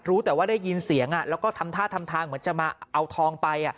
รู้แต่ว่าได้ยินเสียงแล้วก็ทำท่าทำทางเหมือนจะมาเอาทองไป